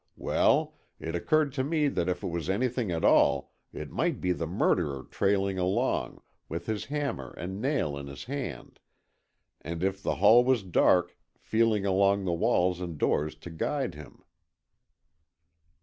"Well, it occurred to me that, if it was anything at all, it might be the murderer trailing along, with his hammer and nail in his hand, and if the hall was dark, feeling along the walls and doors to guide him."